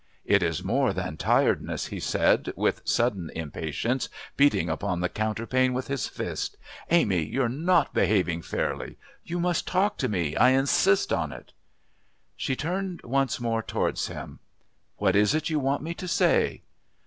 "It is more than tiredness," he said, with sudden impatience, beating upon the counterpane with his fist. "Amy you're not behaving fairly. You must talk to me. I insist on it." She turned once more towards him. "What is it you want me to say?"